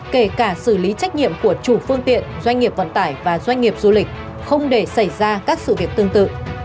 kể cả xử lý trách nhiệm của chủ phương tiện doanh nghiệp vận tải và doanh nghiệp du lịch không để xảy ra các sự việc tương tự